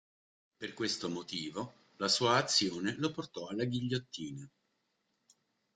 Per questo motivo, la sua azione lo portò alla ghigliottina.